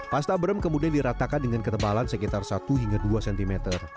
pasta brem kemudian diratakan dengan ketebalan sekitar satu hingga dua cm